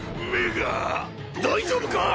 大丈夫かあ！